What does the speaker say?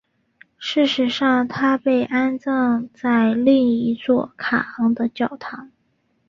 事实上她被安葬在另一座卡昂的教堂。